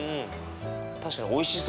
確かにおいしそう。